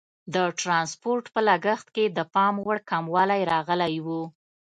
د ټرانسپورټ په لګښت کې د پام وړ کموالی راغلی وو.